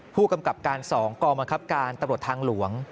ผู้กำกับการ๒กองบังคับการตำรวจทางหลวง